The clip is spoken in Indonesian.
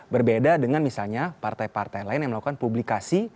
berbeda dengan misalnya partai partai lain yang melakukan publikasi